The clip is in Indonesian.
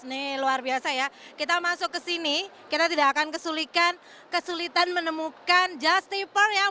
nih luar biasa ya kita masuk ke sini kita tidak akan kesulitan kesulitan menemukan just tiper yang